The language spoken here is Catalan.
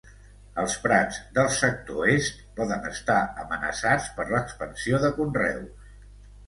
Els prats del sector est poden estar amenaçats per l'expansió de conreus.